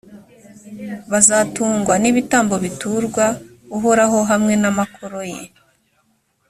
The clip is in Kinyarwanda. bazatungwa n’ibitambo biturwa uhoraho hamwe n’amakoro ye.